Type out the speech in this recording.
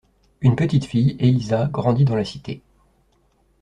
Une petite fille, Élisa grandit dans la Cité.